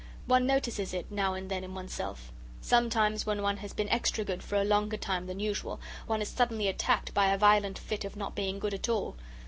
One notices it now and then in oneself. Sometimes when one has been extra good for a longer time than usual, one is suddenly attacked by a violent fit of not being good at all.